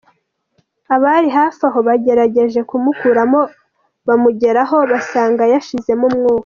Abari hafi aho bagerageje kumukuramo bamugeraho basanga yashizemo umwuka.